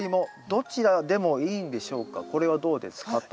これはどうですか？と。